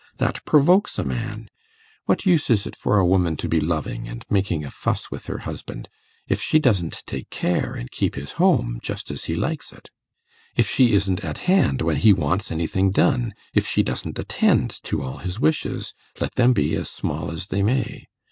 That provokes a man: what use is it for a woman to be loving, and making a fuss with her husband, if she doesn't take care and keep his home just as he likes it; if she isn't at hand when he wants anything done; if she doesn't attend to all his wishes, let them be as small as they may?